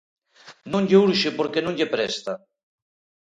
Non lle urxe porque non lle presta.